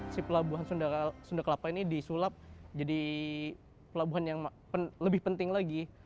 si pelabuhan sunda kelapa ini disulap jadi pelabuhan yang lebih penting lagi